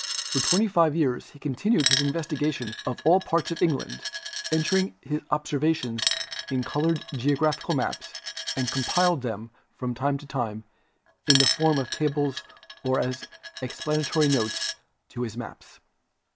For twenty five years he continued his investigations in all parts of England, entered his observations in colored geological maps and compiled them from time to time in the form of tables or as explanatory notes to his maps.